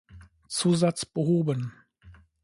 Zusatz behoben.